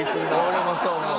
俺もそう思う。